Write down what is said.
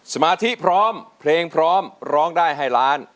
สมาธิพร้อมเพลงพร้อมร้องได้ให้ล้าน